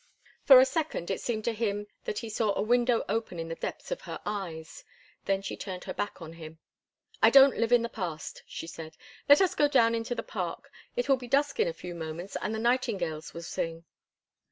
For a second it seemed to him that he saw a window open in the depths of her eyes. Then she turned her back on him. "I don't live in the past," she said. "Let us go down into the park. It will be dusk in a few moments, and the nightingales will sing."